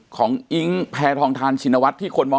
อิ๊งแพทองทานชินวัฒน์ที่คนมอง